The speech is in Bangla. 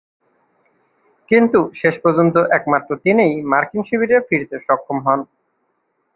কিন্তু শেষ পর্যন্ত একমাত্র তিনিই মার্কিন শিবিরে ফিরতে সক্ষম হন।